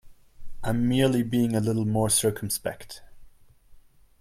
I'm merely being a little more circumspect.